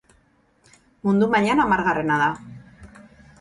Mundu mailan hamargarrena da.